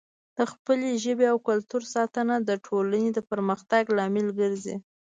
د خپلې ژبې او کلتور ساتنه د ټولنې د پرمختګ لامل ګرځي.